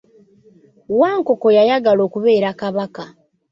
Wankoko yayagala okubeera kabaka.